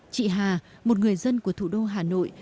chị hà một người dân của thủ đô hà nội